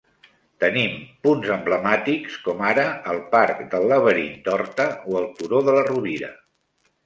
Tenim punts emblemàtics com ara el parc del Laberint d'Horta o el Turó de la Rovira.